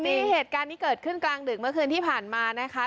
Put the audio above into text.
นี่เหตุการณ์ที่เกิดขึ้นกลางดึกเมื่อคืนที่ผ่านมานะคะ